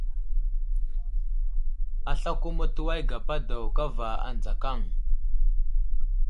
Aslako mətuway gapa daw kava adzakaŋ.